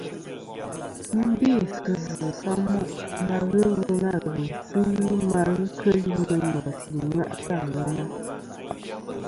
Mɨ n-bê sɨ zɨ̀ samoʼ na ghelɨ nâ ghèyn sɨ ghɨ ma ghɨ keli meyn mèsì ɨ̀mwaʼtɨ ɨ àŋena.